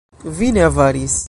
Vi ne avaris!